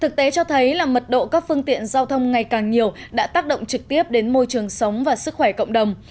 giao thông ngày càng nhiều đã tác động trực tiếp đến môi trường sống và sức khỏe cộng đồng